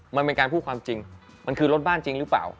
มันเป็นการพูดความจริงมันคือรถบ้านจริงหรือเปล่า